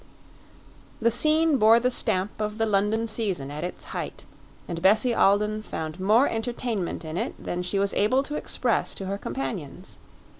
The scene bore the stamp of the London Season at its height, and Bessie Alden found more entertainment in it than she was able to express to her companions.